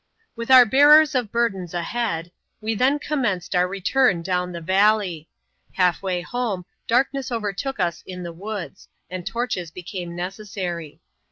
With our bearers of burdens ahead, we then commenced our return. down the valley. Half way home, darkness overtook us in the woods ; and torches became necessary.